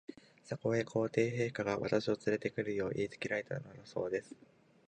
そこへ、皇帝陛下が、私をつれて来るよう言いつけられたのだそうです。